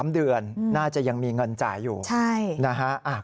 ๓เดือนน่าจะยังมีเงินจ่ายอยู่นะฮะ